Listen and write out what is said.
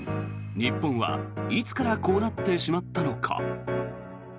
日本は、いつからこうなってしまったのか。